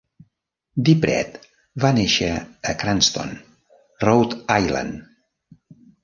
DiPrete va néixer a Cranston, Rhode Island.